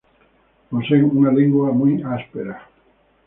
Poseen una lengua muy áspera.